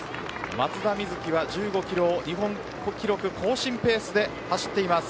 松田瑞生は１５キロを日本記録更新ペースで走っています。